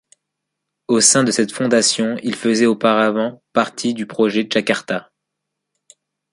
Au sein de cette fondation, il faisait auparavant partie du projet Jakarta.